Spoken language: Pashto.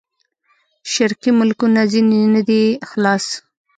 شرقي ملکونه ځنې نه دي خلاص.